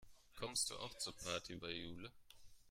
Kommst du auch zur Party bei Jule?